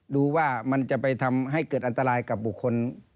ดูว่ามันจะไปทำให้เกิดอันตรายกับบุคคล